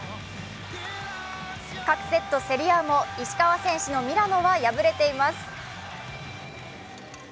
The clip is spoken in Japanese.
各セット競り合うも、石川選手のミラノは敗れています。